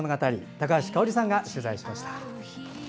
高橋香央里さんが取材しました。